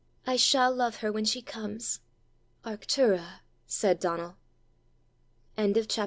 I shall love her when she comes." "Arctura!" said Donal. CHAPTER LXXXI.